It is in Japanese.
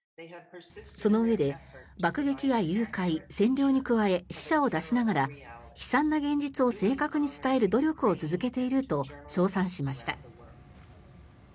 そのうえで、爆撃や誘拐占領に加え、死者を出しながら悲惨な現実を正確に伝える努力を続けていると称賛しました。